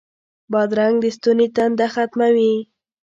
بادرنګ د ستوني تنده ختموي.